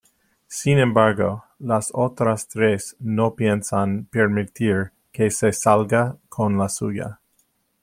Sin embargo, las otras tres no piensan permitir que se salga con la suya.